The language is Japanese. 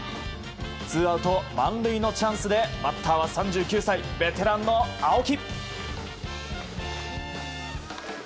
ツーアウト満塁のチャンスでバッターは３９歳ベテランの青木。